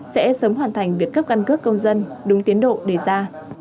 sẽ sớm hoàn thành việc cấp căn cước công dân đúng tiến độ đề ra